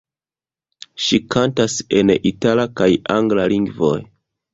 Ŝi kantas en itala kaj angla lingvoj.